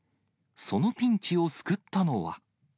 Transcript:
そのピンチを救ったのは。